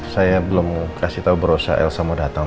saya belum kasih tau bu rosa elsa mau datang